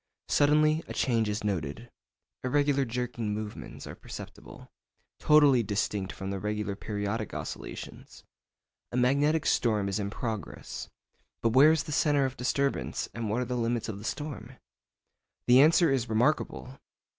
Suddenly a change is noted; irregular jerking movements are perceptible, totally distinct from the regular periodic oscillations. A magnetic storm is in progress. But where is the centre of disturbance, and what are the limits of the storm? The answer is remarkable.